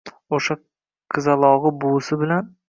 oʼsha qizalogʼu buvisi bilan